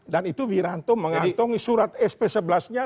dan itu wiranto mengantongi surat sp sebelas nya